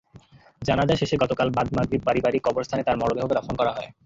জানাজা শেষে গতকাল বাদ মাগরিব পারিবারিক কবরস্থানে তাঁর মরদেহ দাফন করা হয়।